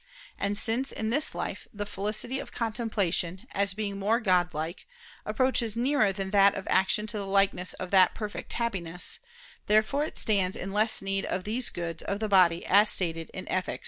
And since, in this life, the felicity of contemplation, as being more Godlike, approaches nearer than that of action to the likeness of that perfect Happiness, therefore it stands in less need of these goods of the body as stated in _Ethic.